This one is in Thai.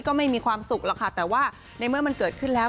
ไม่มีความสุขหรอกค่ะแต่ว่าในเมื่อมันเกิดขึ้นแล้ว